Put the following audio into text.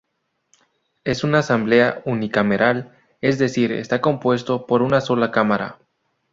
Es una asamblea unicameral, es decir, está compuesta por una sola cámara.